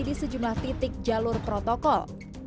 di sejumlah titik jalur protokol